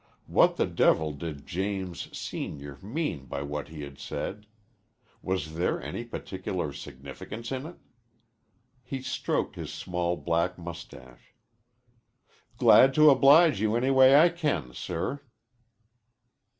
What the devil did James, Senior, mean by what he had said? Was there any particular significance in it? He stroked his small black mustache. "Glad to oblige you any way I can, sir."